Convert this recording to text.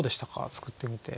作ってみて。